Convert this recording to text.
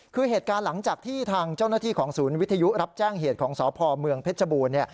คือเหตุการณ์หลังจากที่ทางเจ้าหน้าที่ของศูนย์วิทยุรับแจ้งเหตุของสพเมืองเพชรบูรณ์